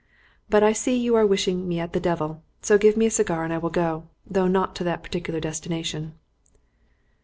But I see you are wishing me at the devil, so give me a cigar and I will go though not to that particular destination."